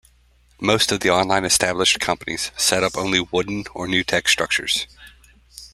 Most of the online established companies set up only wooden or nutec structures.